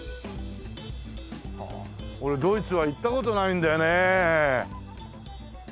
俺ドイツは行った事ないんだよね。